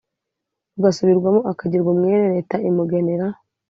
rugasubirwamo akagirwa umwere leta imugenera